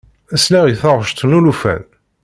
Sliɣ i taɣect n ulufan.